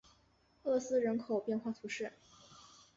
厄斯人口变化图示